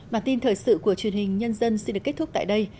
bản tin thời sự của truyền hình nhân dân xin được kết thúc tại đây